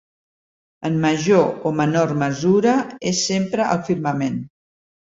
En major o menor mesura, és sempre al firmament.